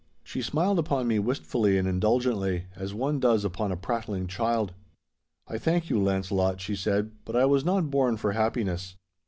She smiled upon me wistfully and indulgently, as one does upon a prattling child. 'I thank you, Launcelot,' she said, 'but I was not born for happiness.